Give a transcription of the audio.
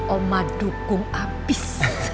oma dukung abis